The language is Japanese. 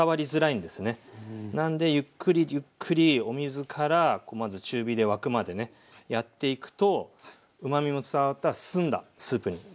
なんでゆっくりゆっくりお水からまず中火で沸くまでねやっていくとうまみも伝わった澄んだスープに仕上がっていきます。